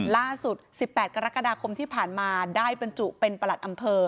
ล่าสุด๑๘กรกฎาคมที่ผ่านมาได้บรรจุเป็นประหลัดอำเภอ